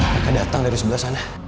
mereka datang dari sebelah sana